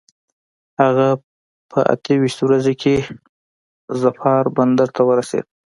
هغه په اته ویشت ورځي کې ظفار بندر ته ورسېد.